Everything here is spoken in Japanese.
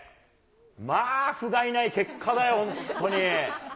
まあふがいない結果だよ、本当に。